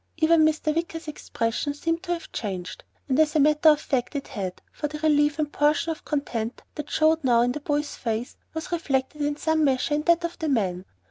Even Mr. Wicker's expression seemed to have changed, and as a matter of fact it had, for the relief and portion of content that showed now in the boy's face, was reflected in some measure in that of the man.